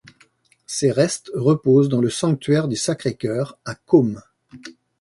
Ses restes reposent dans le sanctuaire du Sacré-Cœur à Côme.